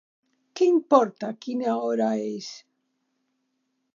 Què importa quina hora és?